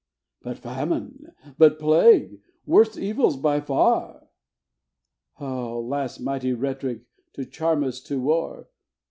"But famine? but plague? worse evils by far." "O last mighty rhet'ric to charm us to war!